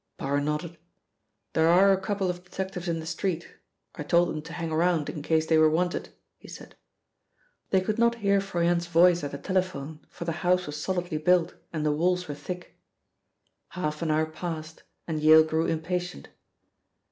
Parr nodded. "There are a couple of detectives in the street; I told them to hang around in case they were wanted," he said. They could not hear Froyant's voice at the telephone, for the house was solidly built, and the walls were thick. Half an hour passed, and Yale grew impatient.